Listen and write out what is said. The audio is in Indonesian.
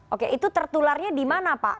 oke itu tertularnya di mana pak